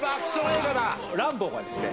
『ランボー』はですね